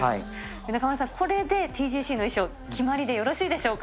中丸さん、これでＴＧＣの衣装、決まりでよろしいでしょうか。